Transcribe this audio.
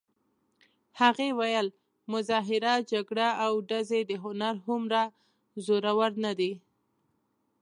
هغې ویل: مظاهره، جګړه او ډزې د هنر هومره زورور نه دي.